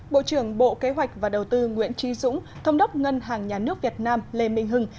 bộ trưởng bộ kế hoạch và đầu tư nguyễn trí dũng thông đốc ngân hàng nhà nước việt nam lê minh hưng